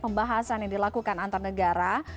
pembahasan yang dilakukan antar negara